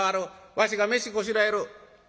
わしが飯こしらえる」。